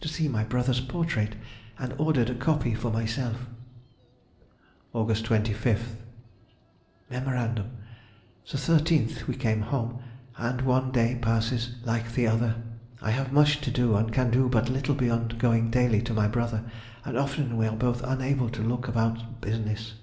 to see my brother's portrait, and ordered a copy for myself. Aug. 25th.— Mem.—The 13th we came home, and one day passes like the other. I have much to do and can do but little beyond going daily to my brother, and often we are both unable to look about business.